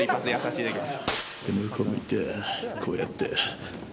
向こう向いて、こうやって。